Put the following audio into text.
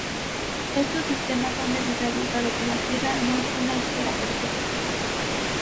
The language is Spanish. Estos sistemas son necesarios dado que la Tierra no es una esfera perfecta.